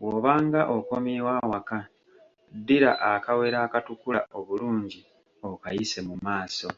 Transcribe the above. Bw'obanga okomyewo awaka ddira akawero akatukula obulungi okayise mu maaso.